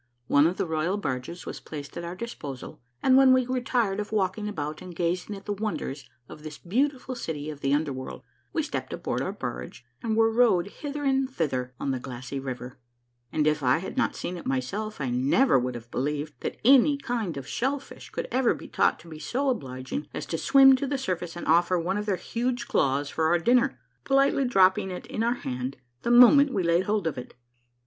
One of the royal barges was placed at our disposal, and when we grew tired of walking about and gazing at the wonders of this beautiful city of the under world, we stepped aboard our barge and were rowed hither and thither on the glassy river ; and if I had not seen it myself I never would have believed that any kind of shellfish could ever be taught to be so obliging as to swim to the surface and offer one of their huge claws for our dinner, politely dropping it in our hand the moment we had laid hold of it.